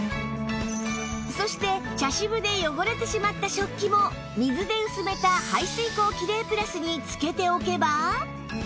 そして茶渋で汚れてしまった食器も水で薄めた排水口キレイプラスにつけておけば